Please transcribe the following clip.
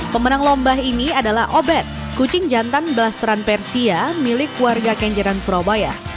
pemenang lomba ini adalah obed kucing jantan belas teran persia milik warga kenjeran surabaya